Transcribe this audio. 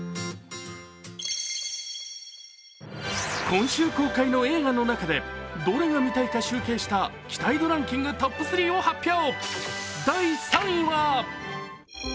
今週公開の映画の中で、どれが見たい集計した期待度ランキングトップ３を発表。